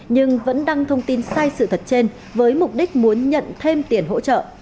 nhưng vẫn đăng thông tin sai sự thật trên với mục đích muốn nhận thêm tiền hỗ trợ